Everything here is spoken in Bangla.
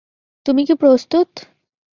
তুমি কি প্রস্তুত?